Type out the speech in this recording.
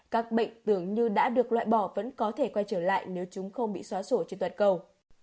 các bệnh tưởng như đã được loại bỏ vẫn có thể quay trở lại nếu chúng không bị xóa sổ trên toàn cầu